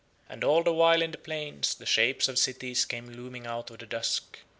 And all the while in the plains the shapes of cities came looming out of the dusk.